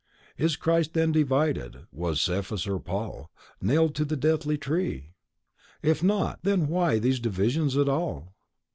Is Christ then divided? Was Cephas or Paul Nailed to the deathly tree? If not—then why these divisions at all?